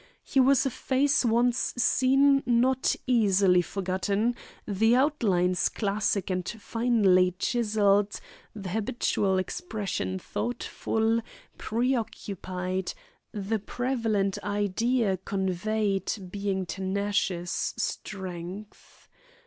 His was a face once seen not easily forgotten, the outlines classic and finely chiselled, the habitual expression thoughtful, preoccupied, the prevalent idea conveyed being tenacious strength.